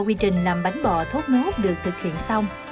quy trình làm bánh bò thốt nốt được thực hiện xong